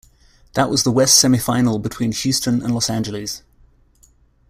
That was the West semifinal between Houston and Los Angeles.